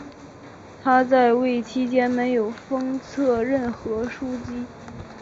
他在位期间没有册封任何枢机。